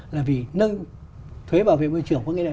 là vì nâng thuế bảo vệ môi trường có nghĩa là